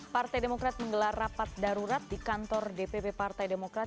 partai demokrat menggelar rapat darurat di kantor dpp partai demokrat